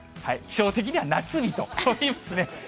気象的には夏日と言いますね。